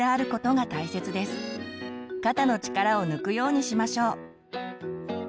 肩の力を抜くようにしましょう。